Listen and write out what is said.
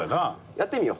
やってみよ。